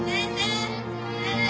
先生！